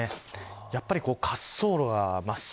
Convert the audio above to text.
やっぱり、滑走路が真っ白。